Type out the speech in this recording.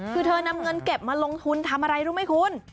คือเธอนำเงินเก็บมาลงทุนทำอะไรรู้ไหมคุณ